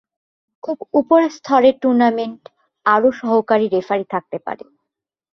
খুব উপরের-স্তরের টুর্নামেন্টে আরও সহকারী রেফারি থাকতে পারে।